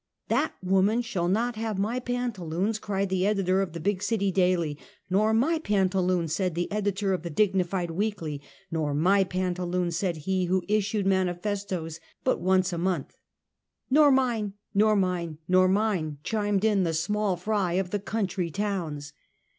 "That woman shall not have my pantaloons," cried the editor of the big city daily; " nor my pantaloons" said the editor of the dignified weekly ;" nor my panta loons," said he who issued manifestos but once a month; " nor mine," " nor mine," " nor mine," chimed in the small fry of the country towns.